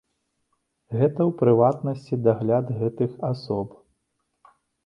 Гэта ў прыватнасці дагляд гэтых асоб.